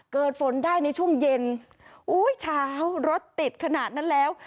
เกิดฝนได้ในช่วงเย็นอุ้ยเช้ารถติดขนาดนั้นแล้ว